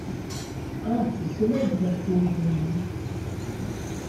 Ah ! c’est cela ! dit la pauvre Lydie.